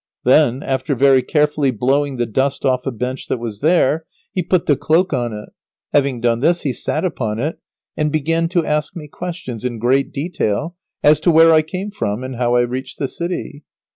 Then, after very carefully blowing the dust off a bench that was there, he put the cloak on it. Having done this he sat upon it and began to ask me questions, in great detail, as to where I came from and how I reached the city.